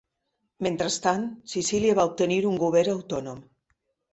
Mentrestant, Sicília va obtenir un govern autònom.